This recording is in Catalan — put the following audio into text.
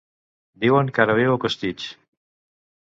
Diuen que ara viu a Costitx.